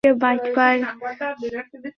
ডাইনোসররা শাসন করবে, স্তন্যপায়ীরা আঙ্গুল চুষবে।